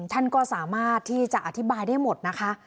ท่านก็สามารถที่จะอธิบายได้หมดนะคะ